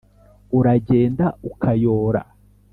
Uragenda ukayora